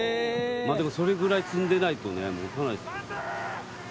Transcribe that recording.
まあでもそれぐらい積んでないとねもたないですもんね。